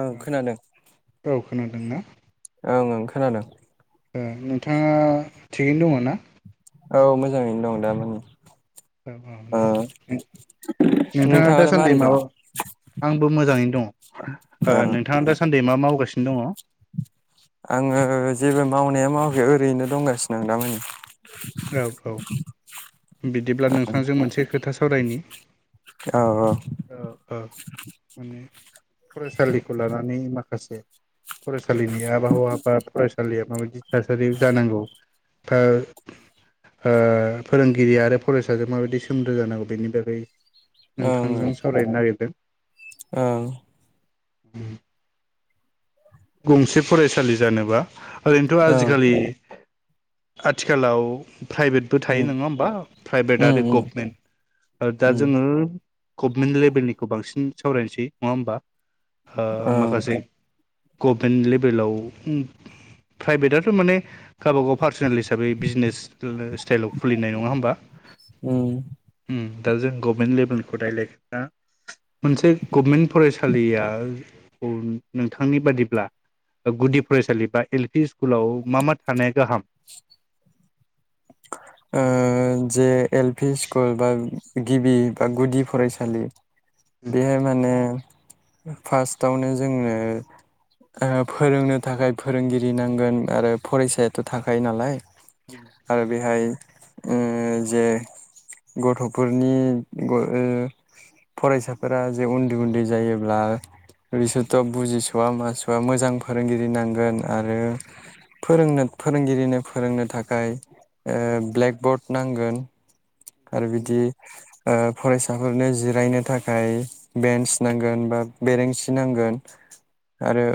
आं औ खोनादों। खोनादोंना? ओं ओं खोनादों। ए नोंथाङा थिगैनो दङ ना? औ मोजाङैनो दं दा मानि। ओं ओं दे [inaudible] नोंथाङा नोंथाङालाय दासानदै मारै मा दङ? आंबो मोजाङैनो दङ ओ नोंथाङा दासानदै मा मावगासि नो दङ? आङो जेबो मावनाया मावाखै ओरैनो दंगासिनो दं दा मानि। औ औ बिदिब्ला नोंथांजों मोनसे खोथा सावरायनि औ औ औ उम माने फरायसालिखौ लानानै मा खासे फरायस सालिनि आबहावा बा फरायसालिया माबायदि थासारि जानांगौ? [unintelligible] ओ फोरोंगिरि आरो फरायसाजों माबायदि सोमोनदो जानांगौ बेनि बागै नोंथांजों सावरायनो नागिरदों। औ उम गंसे फरायसालि जानोबा ओरैनोथ' ओं आजिखालि आथिखालाव प्राइभेटबो थायो उम नोङा होमबा? प्राइभेट आरो उम गभमेन्ट आरो दा उम जोङो गभमेन्ट लेभेलनिखौ बांसिन सावरायनोसै नङा होमबा? ओ ओं माखासे गभमेन्ट लेभेलाव प्राइभेटआथ' माने गावबागाव पार्सनेल हिसाबै बिजनेस स्टाइलाव खुलिनाय नङा होमबा? उम दा जों गभमेन्ट लेभेलखौ रायजलायगोना मोनसे गभमेन्ट फरायसालिया ओ नोंथांनि बादि ब्ला गुदि फरायसालि बा एल पि स्कुलाव मा मा थानाया गाहाम? [inaudible] ओ जे एल पि स्कुल बा गिबि बा गुदि फरायसालि बेहाय माने फार्स्टआवनो जोंनो फोरोंनो थाखाय फोरोंगिरि नांगोन आरो फरायसायाथ' थाखायो नालाय होम आरो बेहाय ओ जे गथ'फोरनि फरायसाफोरा जे उन्दै उन्दै जायोब्ला बिसोरथ' बुजिस'वा मास'वा मोजां फोरोंगिरि नांगोन आरो फोरोंनो फोरोंगिरिनो फोरोंनो थाखाय ओ ब्लेकबर्ड नांगोन आरो बिदि ओ फरायसाफोरनो जिरायनो थाखाय बेन्स नांगोन बा बेरेंसि नांगोन आरो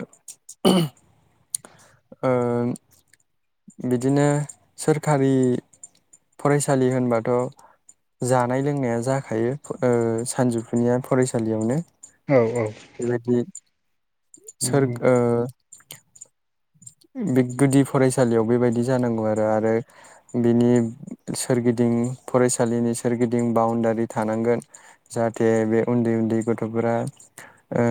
ओ बिदिनो सोरखारि फरायसालि होनबाथ' जानाय लोंनाया जाखायो ओ सानजौफुनिया फरायसालियावनो औ औ सार ओ [inaudible] बे गुदि फरायसालियाव बेबायदि जानांगौ आरो आरो बिनि सोरगिदिं फरायसालिनि सोरगिदिं बाउण्डारि थानांगोन जाहाथे बे उन्दै उन्दै गथ'फोरा ओ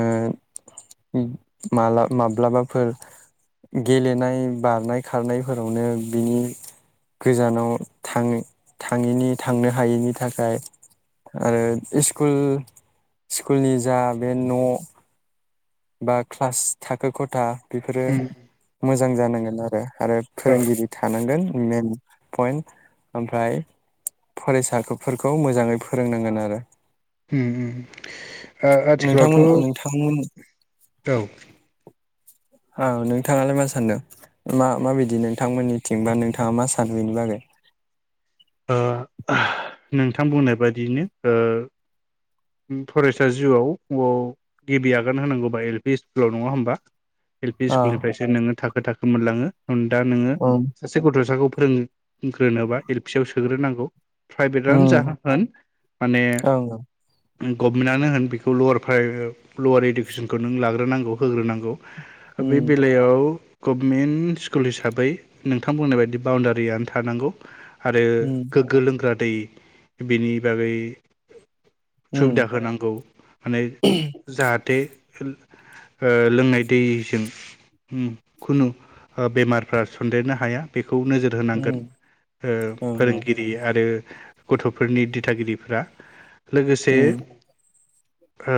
माला माब्लाबाफोर गेलेनाय बारनाय खारनायफोरावनो बिनि गोजानाव थाङ थाङिनि थांनो हायैनि थाखाय आरो स्कुल स्कुलनि जा बे न' बा क्लास थाखो खथा बेफोरो मोजां मोजां जानांगोन आरो आरो औ फोरोंगिरि थानांगोन मेन पइन्ट ओमफ्राय फरायसाफोरखौ मोजाङै फोरोंनांगोन आरो। उम नोंथांमोन आथिखालावथ' नोंथांमोन औ औ नोंथाङालाय मा सानदों मा माबायदि नोंथांमोननिथिं बा नोंथाङा मा सानो बेनि बागै? ओ नोंथां बुंनाय बादियैनो फरायसा जिउआव गिबि आगान होनांगौबा एल पि स्कुलाव नङा होमबा एल पि औ स्कुल निफ्रायसो नोङो थाखो थाखो खोमोनलाङो दा नोङो ओं सासे गथ'साखौ फोरोंग्रोनोबा एल फि याव सोग्रोनांगौ प्राइभेटआनो जाह उम होन माने ओं गभनमेन्टनो होन बेखौ लवार फ्राइ लवार इडुकेसनखौ नों लाग्रोनांगौ होग्रोनांगौ बे उम बेलायाव गभनमेन्ट स्कुल हिसाबै नोंथां बुंनाय बायदि बाउण्डारियनो थानांगौ आरो उम गोगो लोंग्रा दै बिनि बागै उम सुबिदा होनांगौ माने जाहाथे। ओ लोंनाय दैजों उम खुनु बेमारफ्रा सन्देरनो हाया बेख खौ नोजोर होनांगोन। उम ओ ओं औ फोरोंगिरि आ रो गथ'फोरनि दिथागिरिफोरा लोगोसे उम ओ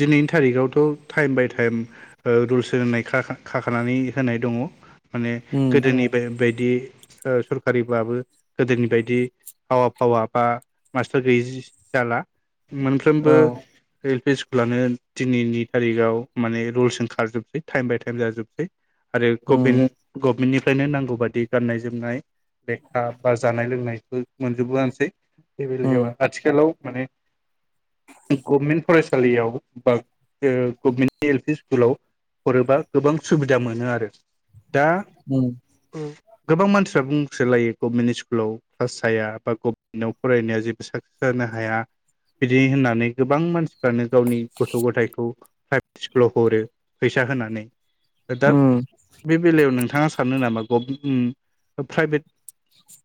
दिनैनि थारिखआवथ' टाइम बाय टाइम रुल्स होननाय खाखानानै होनाय दङ। माने उम गोदोनि बाय बाय दि ओ सरखारिबाबो गोदोनि बायदि आवा फावा बा मास्टार गैयि जिस-जाला। औ मोनफ्रोमबो एल पि स लानो दिनैनि थारिखाव माने रुल्सजों खारजोबसै टाइम बाय टाइम जाजोबबाय। आरो उम गभेनु-गभमेननि फ्रायनो नांगौ बादि गाननाय जोमनाय लेखा बा जानाय लोंनायखौ मोनजोबोआनोसै। बे बेलायाव उम आथिखालाव माने गभमेन्ट फरायसालियाव बा ़ गभमेन्टनि एल पि स्कुलाव हरोबा गोबां सुबिदा मोनो आरो। दा उम औ गोबां मानसिफ्रा बुंसोलायो गभमेन्ट स्कुलाव क्लास जाया बा गभमेन्टाव फरायनाया जेबो साख्रि लानो हाया बिदि होननानै गोबां मानसि फ्रानो गावनि गथ' गथायखौ प्राइभेट स्कुलाव हरो फैसा होनानै दा उम बे बेलायाव नोंथाङा सानो नामा गभ उम उम उम प्राइभेट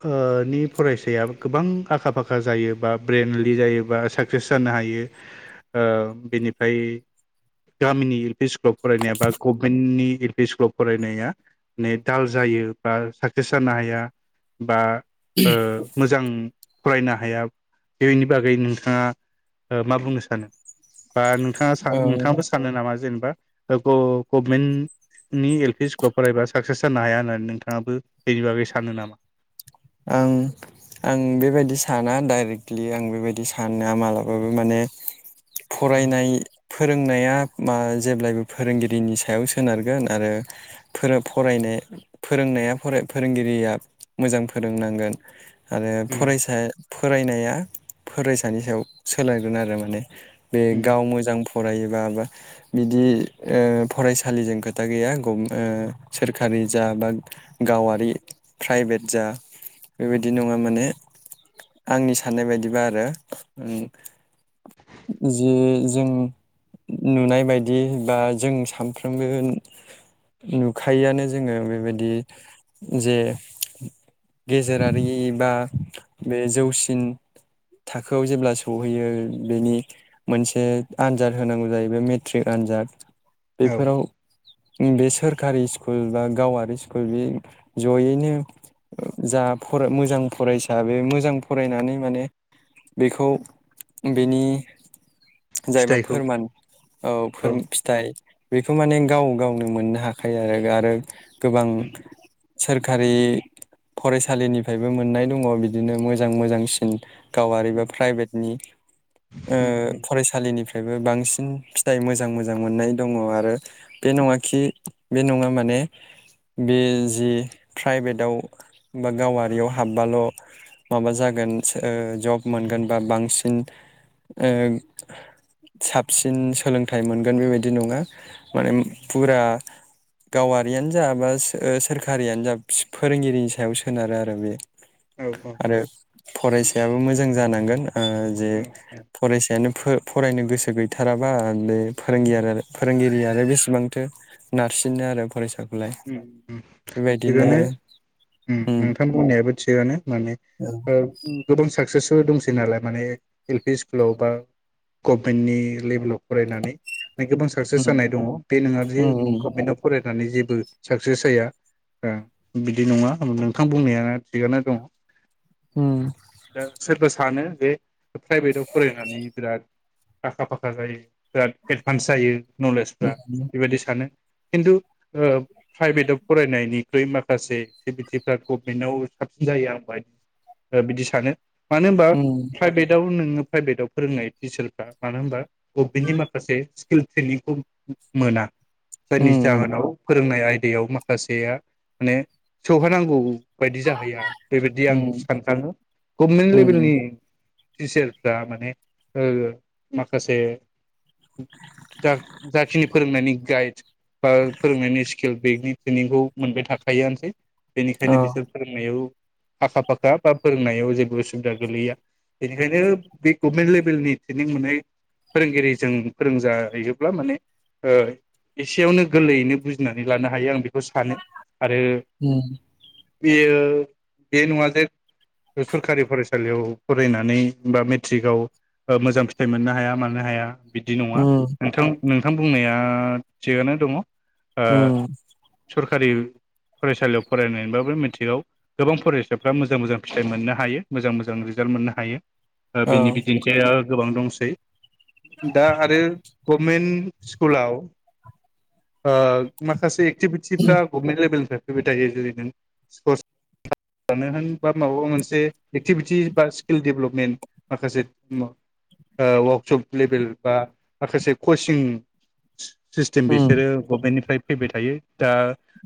ओ नि फरायसाया गोबां आखा फाखा जायो बा ब्रेनलि जायोबा साक्सेस जानो हायो ओ बिनिफ्राय गामिनि एल पि स्कुलाव फरायनाया बा गभमेन्टनि एल पि स्कुलाव फरायनाया ने दाल जायो बा साख सेस जानो हाया बा ओ मोजांम फरायनो हाया बेनि बागै नोंथाङा ओ मा बुंनो सानो? बा नोंथाङा सा औ नोंथाङाबो सानो नामा जेनेबा ओ ग-गभमेन्ट नि एल पि स्कुलाव फरायबा साक्सेस जानो हाया होननानै नोंथाङाबो बेनि बागै सानो नामा? आं आं बेबायदि साना डाइरेक्टलि आं बेबायदि साना मालाबाबो माने फरायनाय, फोरोंनाया मा जेब्लायबो फोरोंगिरिनि सायाव सोनारगोन आरो फोरो फरायनाय फोरोंनाया फराय फोरोंगिरिया मोजां फोरोंनांगोन। आरो उम फरायसा फोरायनाया फोरायसानि सायाव सोलायगोन आरो माने बे गाव उम मोजां फरायोबा बा बिदि ओ फरायसालिजों खोथा गैया गभ ओ सोरखारि जा बा गावारि प्राइभेट जा बेबायदि नङा माने आंनि साननाय बायदिबा आरो उम जि जों नुनाय बायदि बा जों सानफ्रोमबो नुखायोआनो जोङो बेबायदि जे गेजेरारि एबा बे जौसिन थाखोआव जेब्ला सौहैयो बेनि मोनसे आनजाद होनांगौ जायो बे मेट्रिक आनजाद। औ बेफोराव बे सोरखारि स्कुल बा गावारि स्कुल बे जयैनो जा फरा मोजां फरायसा बे मोजां फरायनानै माने बेखौ बेनि जायबा फिथाइखौ फोरमान औ फोर फिथाइ बेखौ माने गाव गावनो मोननो हाखायो आरो आरो गोबां सोरखारि फरायसालिनिफायबो मोननाय दङ बिदिनो मोजां मोजांसिन गावारि उम बा प्राइभेटनि ओ उम फरायसालिनिफ्राय बो बांसिन फिथाइ मोजां मोजां मोननाय दङ आरो बे नङाखि बे नङा माने बे जि प्राइभेटाव बा गावारियाव हाबबाल' माबा जागोन ओ जब मोनगोन बा बांसिन ओ साबसिन सोलोंथाइ मोनगोन बेबायदि नङा माने उम फुरा गावारियानो जा बा ओ सोरखारियानो जा फोरोंगिरि नि सायाव सोनारो आरो बे औ औ आरो फरायसायाबो मोजां जानांगोन ओ जे औ औ फरायसायानो फ फरायनो गोसो गैथाराबा बे फोरोंगियारा फोरोंगिरिया आरो बेसेबांथो नारसिनो आरो फरायसा उम उम थिगानो उम नोंथां बुंनाया बेबो थिगानो माने औ उम गोबां साक्सेसव दंसै नालाय माने एल पि स्कुलाव बा गभमेन्टनि लेभेलाव फरायनानै नै गोबां साक्सेस उम जानाय दङ बे नङा जे उम गभमेन्टआव फराय नानै जेबो साक्सेस जाया ओ बिदि नङा नोंथां बुंनाया थिगानो दङ उम उम दा सोरबा सानो बे प्राइभेटाव फरायनानै बिराद आखा फाखा जायो बिराद एडभान्स जायो। नलेजफ्रा बेबायदि सानो खिन्थु ओ प्राइभेटाव फरायनायनिख्रुइ माखासे एक्टिभिटिफ्रा गभनमेन्टाव साबसिन जायो आं बाहाय बिदि सानो। मानो होनबा उम प्राइभेटआव नोङो प्राइभेटाव फोरोंनाय टिचारफ्रा मानो होनबा गभमेन्टनि माखासे स्किल ट्रेनिंखौ मोना। जायनि उम जाहोनाव फोरोंनाय आयदायाव माखासेया माने सौहानांगौ बायदि जाहैया बेबायदि आं उम सानखाङो गभमेन्ट लेभेलनि उम टिचारफ्रा माने ओ माखासे जा जाखिनि फोरोंनायनि गाइड बा फोरोंनायनि स्किल बेगनि ट्रेनिंखौ मोनबाय थाखायोसै। औ बेनिखायनो बिसोर फोरोंनायाव आखा फाखा बा फोरोंनायाव जेबो असुबिदा गोलैया बेनिखायनो बे गभमेन्ट लेभेलनि ट्रेनिं मोने फोरोंगिरिजों फोरोंजायोब्ला माने ओ एसेयावनो गोरलैयैनो बुजिनानै लानो हायो आं बेखौ सानो। आरो उम बेयो बे नङा जे सरखारि फरायसालियाव फरायनानै बा मेट्रिकआव मोजां फिथाइ मोननो हाया मानो हाया बिदि नङा उम नोंथां। नोंथां बुंनाया थिगानो दङ। उम सरखारि फरायसालियाव फरायनायबाबो मेट्रिकआव गोबां फरायसाफ्रा मोजां मोजां फिथाइ मोननो हायो मोजां मोजां रिजाल्ट मोननो हायो। औ बिनि बिदिनोसै ओ गोबां दंसै। दा आरो गभमेन्ट स्कुलाव ओ माखासे उम एक्टिभिटिफ्रा गभमेन्ट लेभेलनिफ्राय फैबाय थायो जेरै नों स्पर्टस लानो होन बा माबा मोनसे एक्टिभिटि बा स्किल डेभेलपमेन्ट माखासे ओ वार्कशप लेभेल बा माखासे कचिं सिस्टेम बेस उम बिसोर गभमेन्टनिफ्राय फैबाय थायो। दा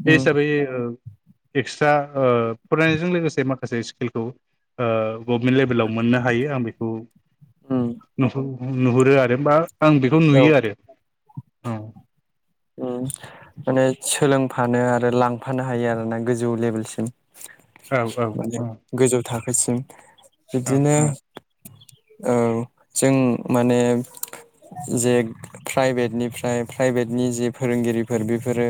बे हिसाबै एक्सट्रा ओ फरायनायजों लोगोसे माखासे स्किलखौ ओ गभमेन्ट लेभेलाव मोननो हायो आं बेखौ उम नुहु नुहुरो आरो बा आं बेखौ औ नुयो आरो औ। माने सोलोंफानो आरो लांफानो हायो आरोना गोजौ लेभेलसिम औ औ औ सिम औ बिदिनो औ औ जों माने जे प्राइभेटनिफ्राय प्राइभेट निजे फोरोंगिरिफोर बेफोरो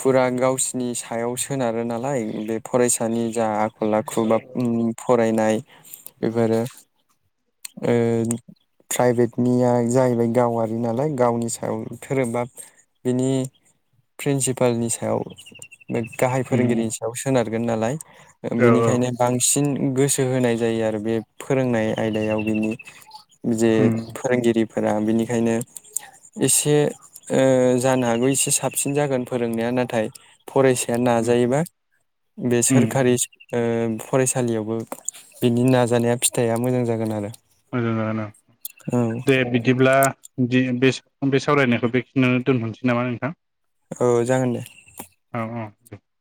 फुरा गावसिनि सायाव सोनारो नालाय बे फरायसानि जा [unintelligible] उम फरायनाय बेफोरो ओ प्राइभेटनिया जाहैबाय गावारि नालाय गावनि सायावनो धोरोमबा बिनि प्रिन्सिपालनि सायाव गाहाय उम फोरोंगिरि सायाव सोनार खारगोन नालाय ओ औ औ बेनिखायनो बांसिन गोसो होनाय जायो आरो बे फोरोंनाय आयदायाव बिनि जे उम फोरोंगिरि फोरा बेनिखायनो एसे ओ जानो हागौ एसे साबसिन जागोन फोरोंनाया नाथाय फरायसाया उम नाजायोबा बे उम सोरखारि ओ फरायसालियावबो बिनि नाजानाया फिथाइया मोजां जागोन आरो मोजां जागोन ओ औ दे बिदिब्ला दिनैनि बे बे सावरायनायखौ बेखिनियावनो दोनहरनोसै नामा नोंथां औ जागोन दे उम